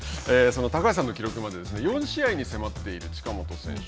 その高橋さんの記録まで４試合に迫っている近本選手